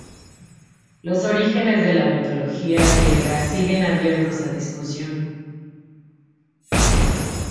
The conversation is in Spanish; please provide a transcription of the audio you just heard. Los orígenes de la mitología Griega siguen abiertos a discusión.